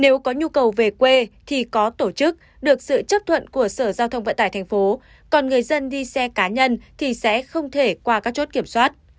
nếu có nhu cầu về quê thì có tổ chức được sự chấp thuận của sở giao thông vận tải thành phố còn người dân đi xe cá nhân thì sẽ không thể qua các chốt kiểm soát